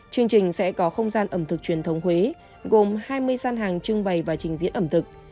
chương trình sẽ có không gian ẩm thực truyền thống huế gồm hai mươi gian hàng trưng bày và trình diễn ẩm thực